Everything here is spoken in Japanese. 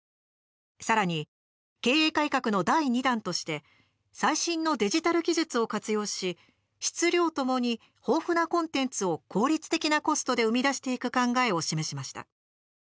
さらに経営改革の第２弾として最新のデジタル技術を活用し質・量ともに豊富なコンテンツを効率的なコストで生み出していく考えを示しました。